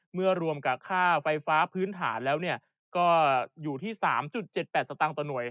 รวมกับค่าไฟฟ้าพื้นฐานแล้วก็อยู่ที่๓๗๘สตางค์ต่อหน่วย